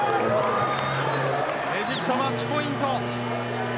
エジプト、マッチポイント。